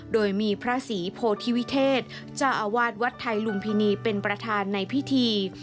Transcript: โดยมีพระศรีโพธิวิเทศเจ้าอาวาสวัดไทยลุมพินีเป็นประธานในพิธี